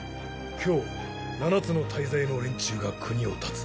今日七つの大罪の連中が国をたつ。